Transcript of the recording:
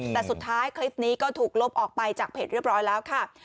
แต่สุดท้ายคลิปนี้ก็ถูกลบออกไปจากเพจเรียบร้อยแล้วค่ะ